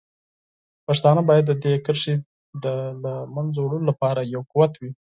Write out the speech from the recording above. پښتانه باید د دې کرښې د له منځه وړلو لپاره یو قوت وي.